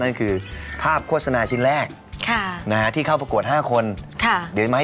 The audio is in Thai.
นั่นคือภาพโฆษณาชิ้นแรกค่ะนะฮะที่เข้าประกวดห้าคนค่ะเดี๋ยวมาให้